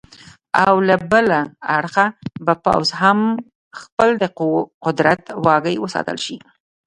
او له بله اړخه به پوځ هم خپل د قدرت واګې وساتلې شي.